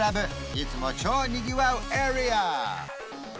いつも超にぎわうエリア